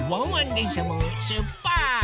でんしゃもしゅっぱつ！